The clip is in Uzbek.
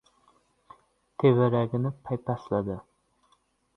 Tevaragini paypasladi.